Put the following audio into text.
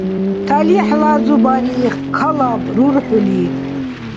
Талихӏла зубари калаб рурхӏули.